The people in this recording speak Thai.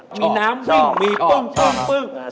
มีน้ำวิ่งมีป้องปึ้ง